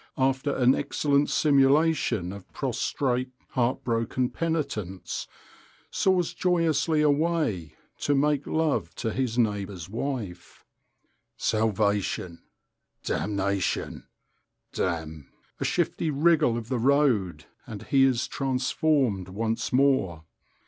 after an excellent simulation of prostrate, heart broken penitence, soars joyously away, to make love to his neighbour's wife. "Salvation, damnation, damn—" A shifty wriggle of the road, and he is transformed once more.